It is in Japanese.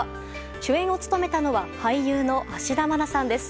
主演を務めたのは俳優の芦田愛菜さんです。